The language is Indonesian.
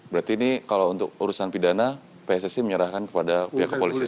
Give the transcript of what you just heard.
berarti ini kalau untuk urusan pidana pssi menyerahkan kepada pihak kepolisian